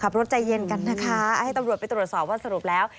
รถใจเย็นกันนะคะให้ตำรวจไปตรวจสอบว่าสรุปแล้ว